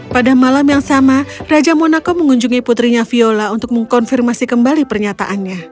pada malam yang sama raja monaco mengunjungi putrinya viola untuk mengkonfirmasi kembali pernyataannya